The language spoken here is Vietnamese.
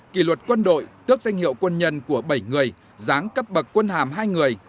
kỷ luật quân đội tước danh hiệu quân nhân của bảy người giáng cấp bậc quân hàm hai người